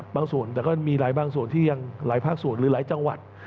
ส่วนแต่ก็มีหลายบางส่วนที่ยังหลายภาคส่วนหรือหลายจังหวัด